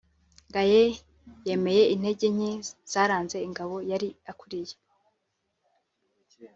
Gaye yemeye intege nke zaranze ingabo yari akuriye